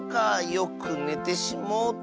よくねてしもうた。